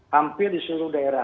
hampir di seluruh daerah